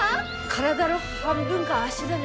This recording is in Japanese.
体の半分が脚だね。